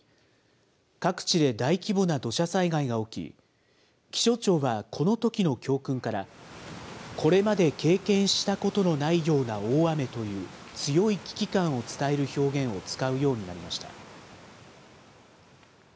各地で大規模な土砂災害が起き、気象庁はこのときの教訓から、これまで経験したことのないような大雨という、強い危機感を伝える表現を使うようになりました。